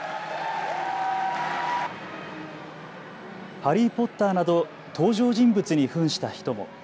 ハリー・ポッターなど登場人物にふんした人も。